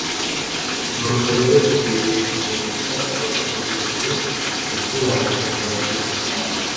Nuko rero dukwiriye guhinduka abafatanyije gukiranuka kwa Kristo.